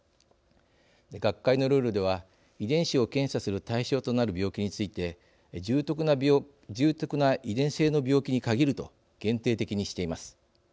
学会のルールでは遺伝子を検査する対象となる病気について重篤な遺伝性の病気に限ると限定的にしています。